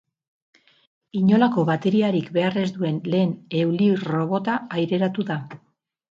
Inolako bateriarik behar ez duen lehen eulirrobota aireratu da.